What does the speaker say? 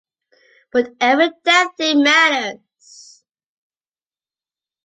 But every damn thing matters!